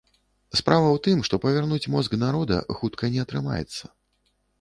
Справа ў тым, што павярнуць мозг народа хутка не атрымаецца.